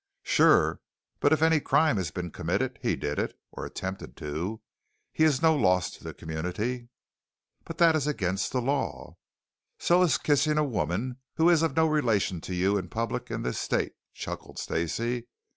"Sure. But if any crime has been committed, he did it, or attempted to. He is no loss to the community." "But that is against the law." "So is kissing a woman who is of no relation to you, in public in this state," chuckled Stacey.